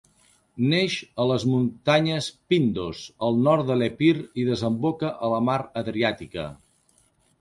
Neix a les muntanyes Pindos, al nord de l'Epir i desemboca a la mar Adriàtica.